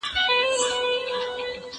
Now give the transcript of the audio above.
زه به سبا د سبا لپاره د يادښتونه ترتيب کوم